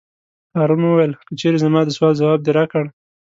هارون وویل: که چېرې زما د سوال ځواب دې راکړ.